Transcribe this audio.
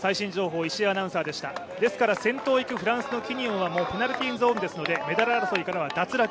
ですから、先頭を行くフランスのキニオンはペナルティーゾーンですのでメダル争いからは脱落。